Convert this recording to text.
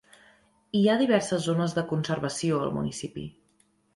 Hi ha diverses zones de conservació al municipi.